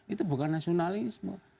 itu bukan nasionalisme